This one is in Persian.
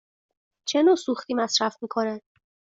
چه نوع سوختی مصرف می کند؟